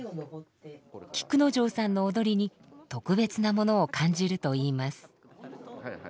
菊之丞さんの踊りに特別なものを感じるといいます。